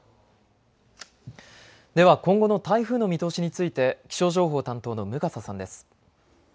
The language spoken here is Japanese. では今後の台風の見通しについて気象情報担当の向笠さんです。